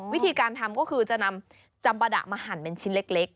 วิธีการทำก็คือจะนำจัมปะดะมาหั่นเป็นชิ้นเล็ก